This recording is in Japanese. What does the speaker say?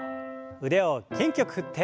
腕を元気よく振って。